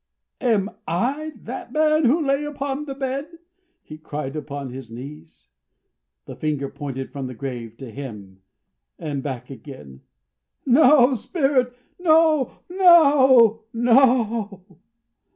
"Am I that man who lay upon the bed?" he cried, upon his knees. The finger pointed from the grave to him, and back again. "No, Spirit! Oh, no, no!"